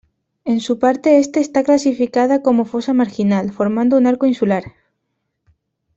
En su parte este está clasificada como "fosa marginal", formando un arco insular.